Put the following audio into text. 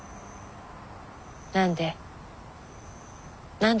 何で？